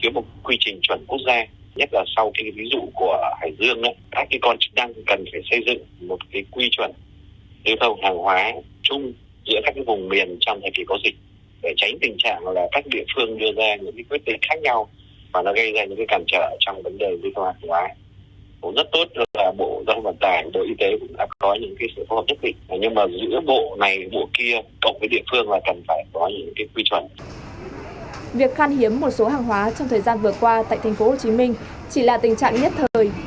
việc khăn hiếm một số hàng hóa trong thời gian vừa qua tại tp hcm chỉ là tình trạng nhất thời